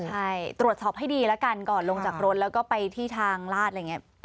ใช่ตรวจสอบให้ดีแล้วกันก่อนลงจากรถแล้วก็ไปที่ทางลาดอะไรอย่างนี้